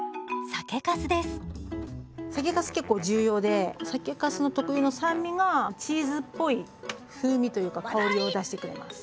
酒かす結構重要で酒かすの特有の酸味がチーズっぽい風味というか香りを出してくれます。